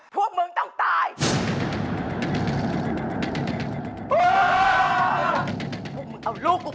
พี่ป๋องครับผมเคยไปที่บ้านผีคลั่งมาแล้ว